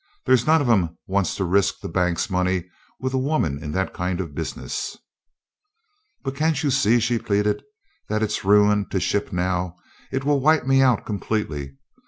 There's none of 'em wants to risk the bank's money with a woman in that kind of business." "But can't you see," she pleaded, "that it's ruin to ship now? It will wipe me out completely.